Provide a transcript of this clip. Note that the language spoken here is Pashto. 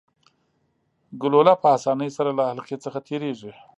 ګلوله په اسانۍ سره له حلقې څخه تیریږي.